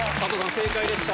正解でした！